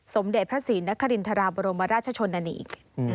สมเด็จพระศรีนครินทราบรมราชชนนานี